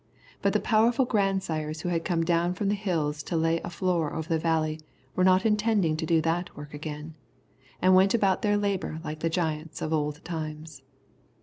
But the powerful grandsires who had come down from the Hills to lay a floor over the Valley were not intending to do that work again, and went about their labour like the giants of old times.